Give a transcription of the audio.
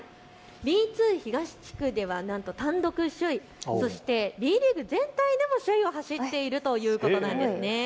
Ｂ２東地区ではなんと単独首位、Ｂ２リーグ全体でも首位を走っているということなんです。